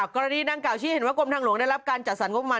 กรณีดังกล่าชี้เห็นว่ากรมทางหลวงได้รับการจัดสรรงบมา